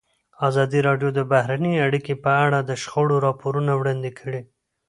ازادي راډیو د بهرنۍ اړیکې په اړه د شخړو راپورونه وړاندې کړي.